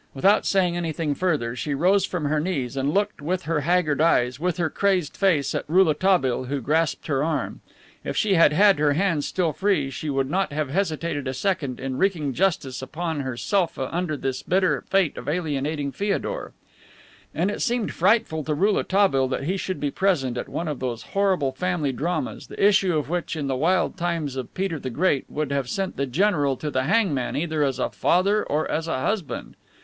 Without saying anything further, she rose from her knees and looked with her haggard eyes, with her crazed face, at Rouletabille, who grasped her arm. If she had had her hands still free she would not have hesitated a second in wreaking justice upon herself under this bitter fate of alienating Feodor. And it seemed frightful to Rouletabille that he should be present at one of those horrible family dramas the issue of which in the wild times of Peter the Great would have sent the general to the hangman either as a father or as a husband.